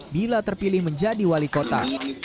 bila terpilih menjadi wali kota